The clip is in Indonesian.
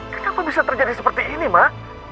kenapa bisa terjadi seperti ini mak